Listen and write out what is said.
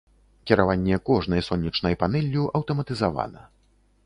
Кіраванне кожнай сонечнай панэллю аўтаматызавана.